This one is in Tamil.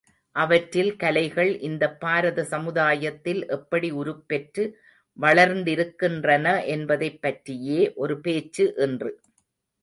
அவற்றில் கலைகள் இந்தப் பாரத சமுதாயத்தில் எப்படி உருப்பெற்று வளர்ந்திருக்கின்றன என்பதைப் பற்றியே ஒரு பேச்சு இன்று.